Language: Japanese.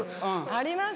あります